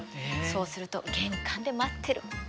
そうすると玄関で待ってる。